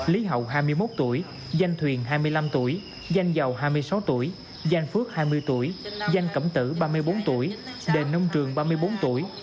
lý hậu hai mươi một tuổi danh thuyền hai mươi năm tuổi danh giàu hai mươi sáu tuổi danh phước hai mươi tuổi danh cẩm tử ba mươi bốn tuổi đền nông trường ba mươi bốn tuổi